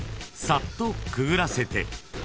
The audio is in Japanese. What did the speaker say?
「さっとくぐらせて」］